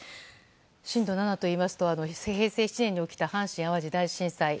震度７といいますと平成７年に起きました阪神・淡路大震災